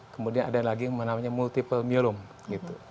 kemudian ada lagi yang namanya multiple myeloma